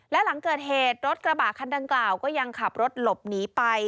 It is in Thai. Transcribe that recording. และหลังเกิดเหตุรถกระบะคันดังกล่าวก็ยังขับรถหลบหนีไป